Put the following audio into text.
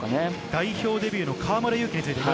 代表デビューの河村勇輝